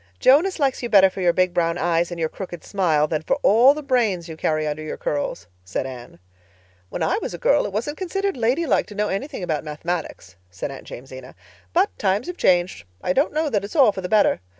"Jonas likes you better for your big brown eyes and your crooked smile than for all the brains you carry under your curls," said Anne. "When I was a girl it wasn't considered lady like to know anything about Mathematics," said Aunt Jamesina. "But times have changed. I don't know that it's all for the better.